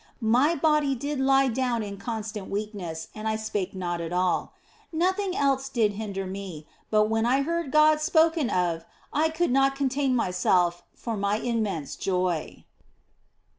My body did lie down in constant weakness and I spake not at all. Nothing else did hinder me, but when I heard God spoken of I could not contain myself for my im mense joy.